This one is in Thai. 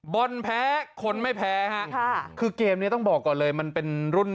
บอลแพ้คนไม่แพ้ฮะค่ะคือเกมนี้ต้องบอกก่อนเลยมันเป็นรุ่น